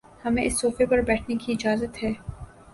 ہمیں اس صوفے پر بیٹھنے کی اجازت ہے